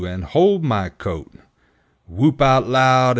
And hold my coat! Whoop out loud!